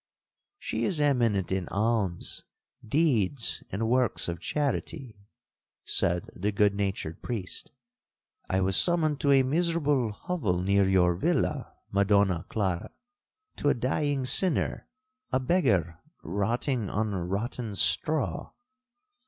'She is eminent in alms deeds and works of charity,' said the good natured priest. 'I was summoned to a miserable hovel near your villa, Madonna Clara, to a dying sinner, a beggar rotting on rotten straw!'